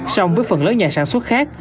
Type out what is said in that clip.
song với phần lớn nhà sản xuất khác